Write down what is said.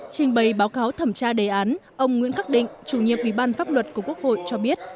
trình bày báo cáo thẩm tra đề án ông nguyễn khắc định chủ nhiệm ủy ban pháp luật của quốc hội cho biết